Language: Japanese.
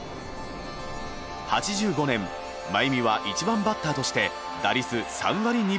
８５年真弓は１番バッターとして打率３割２分２厘。